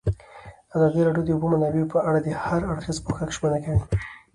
ازادي راډیو د د اوبو منابع په اړه د هر اړخیز پوښښ ژمنه کړې.